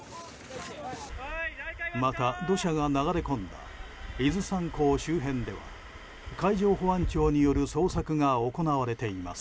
また土砂が流れ込んだ伊豆山港周辺では海上保安庁による捜索が行われています。